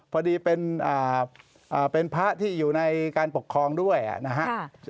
พอดีเป็นพระที่อยู่ในการปกครองด้วยนะครับ